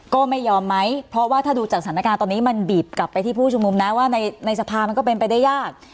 ก็ไม่ยอมไหมเพราะว่าถ้าดูจากสถานการณ์ตอนนี้มันบีบกลับไปที่ผู้ชุมนุมนะว่าในสภามันก็เป็นไปได้ยาก